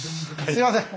すみません。